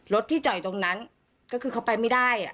ที่จอดอยู่ตรงนั้นก็คือเขาไปไม่ได้